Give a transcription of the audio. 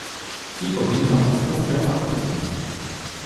Sie überwintern als Puppe am Boden.